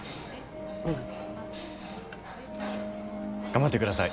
うん。頑張ってください！